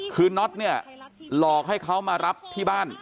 คือน็อตเนี่ยหลอกให้เขามารับที่บ้าน